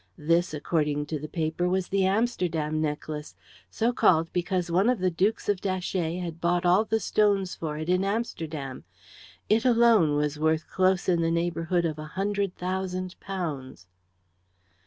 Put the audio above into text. This, according to the paper, was the Amsterdam Necklace, so called because one of the Dukes of Datchet had bought all the stones for it in Amsterdam. It, alone, was worth close in the neighbourhood of a hundred thousand pounds.